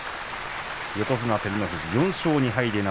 横綱照ノ富士、４勝２敗です。